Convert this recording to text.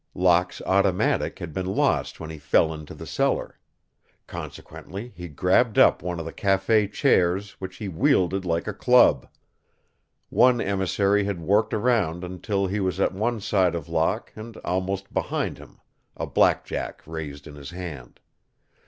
Locke's automatic had been lost when he fell into the cellar. Consequently he grabbed up one of the café chairs, which he wielded like a club. One emissary had worked around until he was at one side of Locke and almost behind him, a blackjack raised in his hand.